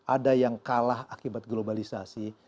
ada yang kalah akibat globalisasi